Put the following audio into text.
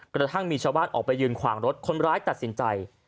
กระทั่งมีชาวบ้านออกไปยืนขวางรถคนร้ายตัดสินใจ